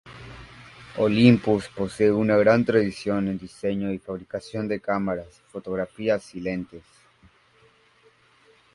Olympus posee una gran tradición en diseño y fabricación de cámaras fotográficas y lentes.